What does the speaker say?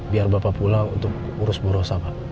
biar bapak pula untuk urus borosa pak